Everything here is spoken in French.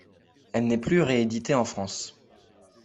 Elle n’est plus rééditée en France.